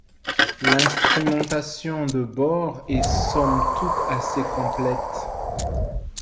L'instrumentation de bord est somme toute assez complète.